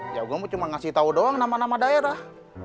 ya gue cuma ngasih tahu doang nama nama daerah